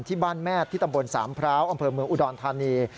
ที่บ้านแม่ส์ที่ตำบลสามพร้าวออุดรธานี